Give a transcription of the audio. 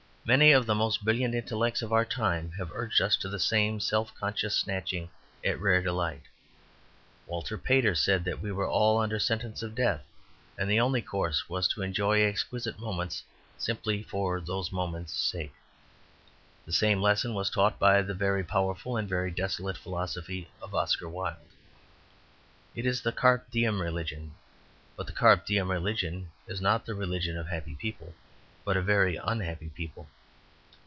Many of the most brilliant intellects of our time have urged us to the same self conscious snatching at a rare delight. Walter Pater said that we were all under sentence of death, and the only course was to enjoy exquisite moments simply for those moments' sake. The same lesson was taught by the very powerful and very desolate philosophy of Oscar Wilde. It is the carpe diem religion; but the carpe diem religion is not the religion of happy people, but of very unhappy people.